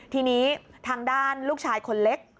ทีนี้ทางด้านลูกชายคนเล็ก